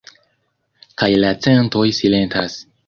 Kaj la centoj silentas.